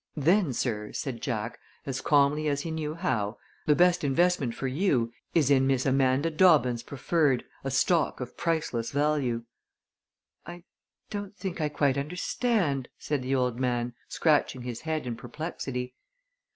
"Then, sir," said Jack, as calmly as he knew how, "the best investment for you is in Miss Amanda Dobbins Preferred, a stock of priceless value." "I don't think I quite understand," said the old man, scratching his head in perplexity.